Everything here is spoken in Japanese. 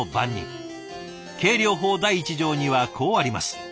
計量法第１条にはこうあります。